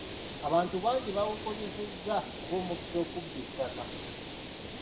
Abantu bangi baagukozesa ng'omukisa okubba ettaka.